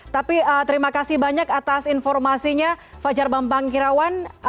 tapi terima kasih banyak atas informasinya fajar bambang kirawan